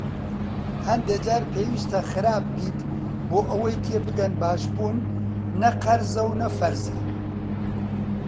هەندێ جار پێویسـتە خراپ بیت بۆ ئەوەی تێبگەن باش بوون نەقـەرزە نە فـەرزە